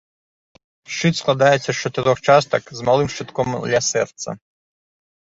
Шчыт складаецца з чатырох частак, з малым шчытком ля сэрца.